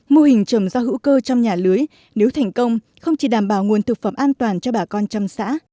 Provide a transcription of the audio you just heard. mô hình trồng rau hữu cơ trong nhà lưới nếu thành công không chỉ đảm bảo nguồn thực phẩm an toàn cho bà con trong xã